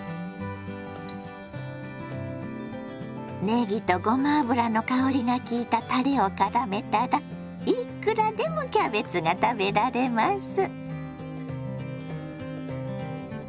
ねぎとごま油の香りが効いたたれをからめたらいくらでもキャベツが食べられます。